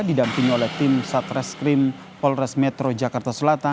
dia di rondet kira kira